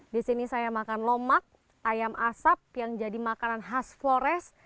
di sini saya makan lomak ayam asap yang jadi makanan khas flores